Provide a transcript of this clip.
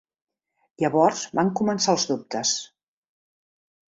Llavors van començar els dubtes.